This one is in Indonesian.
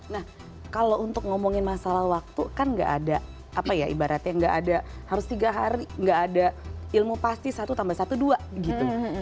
nah kalau untuk ngomongin masalah waktu kan gak ada apa ya ibaratnya nggak ada harus tiga hari nggak ada ilmu pasti satu tambah satu dua gitu